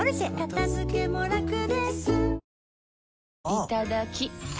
いただきっ！